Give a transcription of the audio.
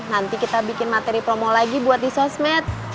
nanti kita bikin materi promo lagi buat di sosmed